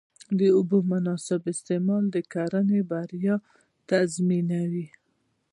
د اوبو مناسب استعمال د کرنې بریا تضمینوي.